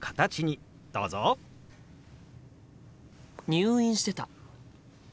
入院してた。